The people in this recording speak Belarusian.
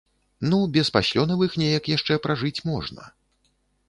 Ну, без паслёнавых неяк яшчэ пражыць можна.